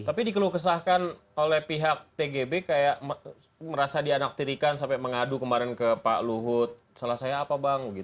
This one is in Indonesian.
tapi dikeluh kesahkan oleh pihak tgb kayak merasa dianaktirikan sampai mengadu kemarin ke pak luhut salah saya apa bang